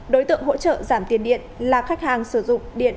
đối tượng hỗ trợ giảm tiền điện là khách hàng sử dụng điện